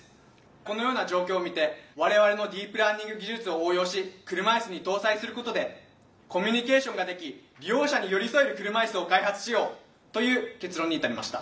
このような状況を見て我々のディープラーニング技術を応用し車いすに搭載することでコミュニケーションができ利用者に寄り添える車いすを開発しようという結論に至りました。